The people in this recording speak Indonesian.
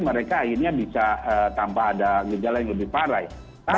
mereka akhirnya bisa tanpa ada gejala yang lebih parah